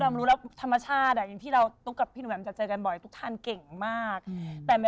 มานานเหลือเกินเริ่มจากละคร